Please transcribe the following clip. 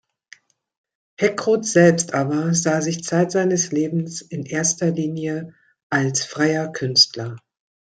Heckroth selbst aber sah sich zeit seines Lebens in erster Linie als freier Künstler.